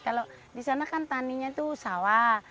kalau di sana kan taninya itu sawah